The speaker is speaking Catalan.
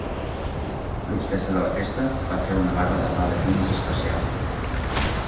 L' hostessa de la festa va fer una barra de pa de Jumis especial.